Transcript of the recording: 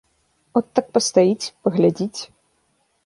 От так пастаіць, паглядзіць.